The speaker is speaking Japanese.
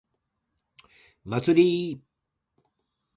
祭り